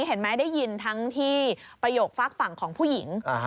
เห็นไหมได้ยินทั้งที่ประโยคฝากฝั่งของผู้หญิง